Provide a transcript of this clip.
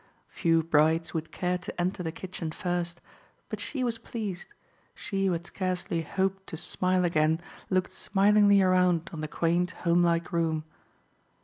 Few brides would care to enter the kitchen first, but she was pleased; she who had scarcely hoped to smile again looked smilingly around on the quaint, homelike room.